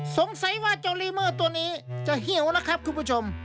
สงสัยว่าเจ้าลีเมอร์ตัวนี้จะหิวแล้วครับคุณผู้ชม